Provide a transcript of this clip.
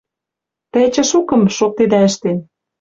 Тӓ эче шукым шоктедӓ ӹштен.